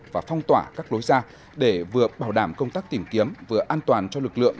và phong tỏa các lối ra để vừa bảo đảm công tác tìm kiếm vừa an toàn cho lực lượng